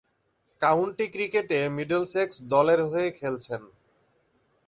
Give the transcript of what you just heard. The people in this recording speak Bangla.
কাউন্টি ক্রিকেটে মিডলসেক্স দলের হয়ে খেলছেন।